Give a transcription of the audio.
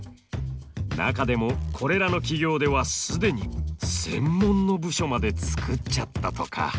中でもこれらの企業では既に専門の部署まで作っちゃったとか。